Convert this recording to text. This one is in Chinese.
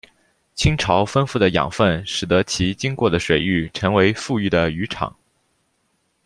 亲潮丰富的养分使得其经过的水域成为富裕的渔场。